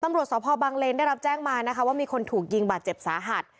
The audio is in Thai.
ตำรวจสพบังเลนได้รับแจ้งมานะคะว่ามีคนถูกยิงบาดเจ็บสาหัส